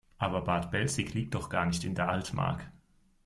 Aber Bad Belzig liegt doch gar nicht in der Altmark.